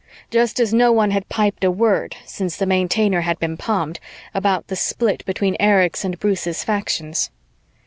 Just as no one had piped a word, since the Maintainer had been palmed, about the split between Erich's and Bruce's factions.